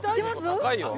高いよ。